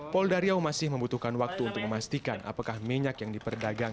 polda riau masih membutuhkan waktu untuk memastikan apakah minyak yang diperdagang